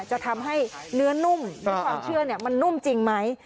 จะทำให้เนื้อนุ่มหรือความเชื่อมันนุ่มจริงไหม